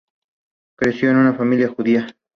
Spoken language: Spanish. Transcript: Creció en una familia judía.